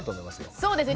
そうですね。